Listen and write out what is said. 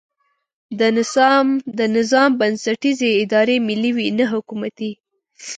د نظام بنسټیزې ادارې ملي وي نه حکومتي.